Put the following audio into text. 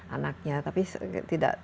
anaknya tapi tidak